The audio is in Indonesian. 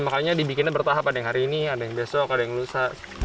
makanya dibikinnya bertahap ada yang hari ini ada yang besok ada yang lusa